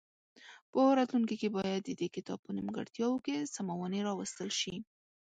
په راتلونکي کې باید د دې کتاب په نیمګړتیاوو کې سمونې راوستل شي.